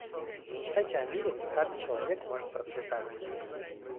Помечтайте о мире, где каждый человек может процветать.